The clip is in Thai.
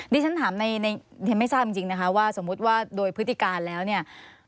ที่ฉันถามในไม่ทราบจริงนะคะว่าสมมุติว่าโดยพฤติการแล้วเนี่ย